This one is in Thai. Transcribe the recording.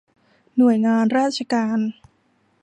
หน่วยงานราชการ